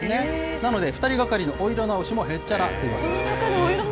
なので、２人がかりのお色直しもへっちゃら。